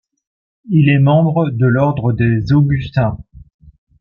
Il est membre de l'ordre des augustins.